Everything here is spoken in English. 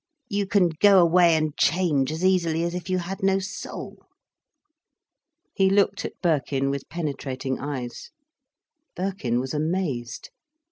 You can go away and change as easily as if you had no soul." He looked at Birkin with penetrating eyes. Birkin was amazed.